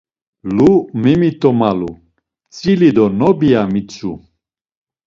Lu memit̆omalu, tzili do nobi ya mitzu.